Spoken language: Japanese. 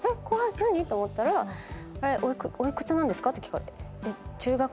何⁉と思ったら「お幾つなんですか？」って聞かれて。